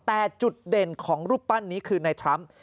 แต่จุดเด่นของรูปปั้นนี้คือในทรัมป์